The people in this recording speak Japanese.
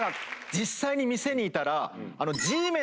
実際に店にいたら。